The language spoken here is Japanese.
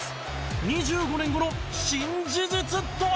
２５年後の真実とは！